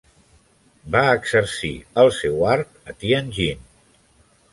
Va exercir el seu art a Tianjin.